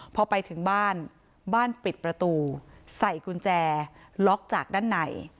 พอไปถึงบ้านบ้านปิดประตูใส่กุญแจล็อกจากด้านใน